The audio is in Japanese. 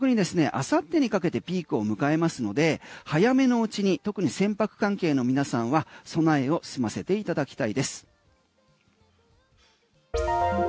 明後日にかけてピークを迎えますので早めのうちに特に船舶関係の皆さんは備えを済ませていただきたいです。